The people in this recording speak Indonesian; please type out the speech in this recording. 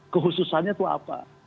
kehususannya itu apa